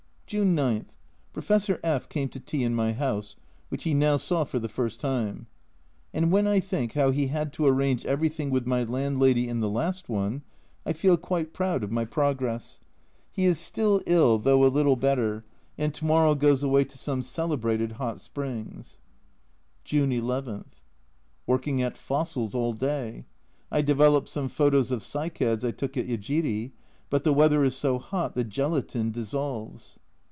June 9. Professor F came to tea in my house, which he now saw for the first time and when I think how he had to arrange everything with my landlady in the last one, I feel quite proud of my progress. He is still ill, though a little better, 174 A Journal from Japan and to morrow goes away to some celebrated hot springs. June II. Working at fossils all day : I developed some photos of cycads I took at Yejiri, but the weather is so hot the gelatine dissolves